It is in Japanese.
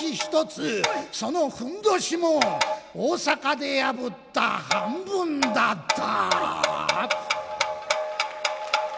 そのふんどしも大阪で破った半分だった。